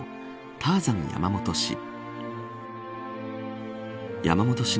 ターザン山本氏。